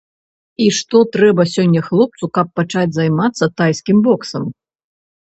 І што трэба сёння хлопцу, каб пачаць займацца тайскім боксам?